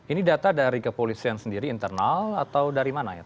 ini data dari kepolisian sendiri internal atau dari mana ya